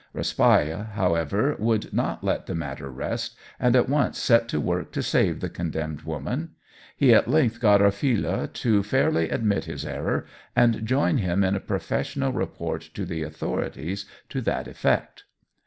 Raspail, however, would not let the matter rest, and at once set to work to save the condemned woman. He at length got Orfila to fairly admit his error and join him in a professional report to the authorities to that effect.